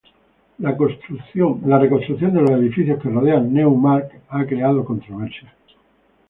La reconstrucción de los edificios que rodean Neumarkt ha creado controversia.